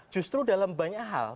justru dalam banyak hal